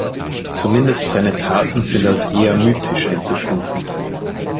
Zumindest seine Taten sind als eher mythisch einzustufen.